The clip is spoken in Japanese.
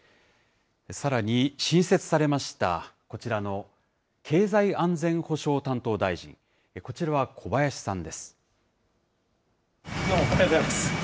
さらに、新設されましたこちらの経済安全保障担当大臣、こちらは小林さんです。